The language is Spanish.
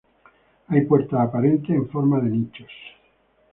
Hay puertas aparentes, en forma de nichos.